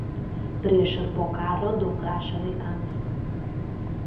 Prieš ir po karo daug rašė vaikams.